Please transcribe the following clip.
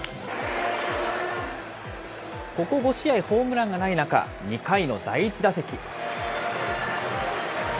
ここ５試合、ホームランがない中、２回の第１打席。